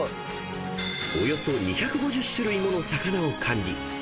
［およそ２５０種類もの魚を管理］